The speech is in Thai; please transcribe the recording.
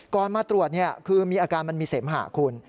ก่อนมาตรวจเนี่ยคือมีอาการมันมีเสมหาคุณ